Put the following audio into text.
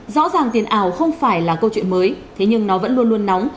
rõ ràng tiền ảo không phải là câu chuyện mới thế nhưng nó vẫn luôn luôn nóng